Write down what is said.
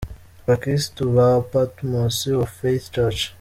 Abakristo ba Patmos of Faith church.